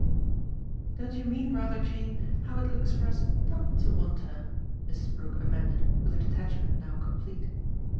"Don't you mean rather, Jane, how it looks for us NOT to want her?" Mrs. Brook amended with a detachment now complete.